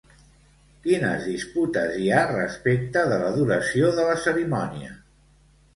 Quines disputes hi ha respecte de la duració de la cerimònia?